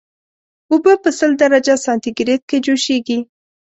اوبه په سل درجه سانتي ګریډ کې جوشیږي